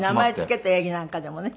名前付けたヤギなんかでもね。